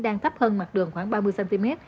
đang thấp hơn mặt đường khoảng ba mươi cm